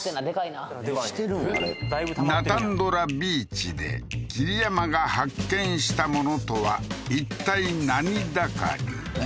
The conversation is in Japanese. ナタンドラビーチで桐山が発見したものとはいったい何だかり？